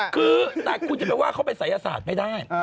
คือแต่ฉันว่าเขาไปสรรพยาสาทไม่ได้